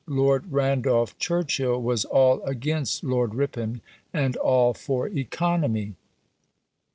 Lord Randolph Churchill was all against Lord Ripon, and all for economy.